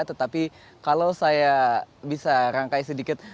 tetapi kalau saya bisa rangkai sedikit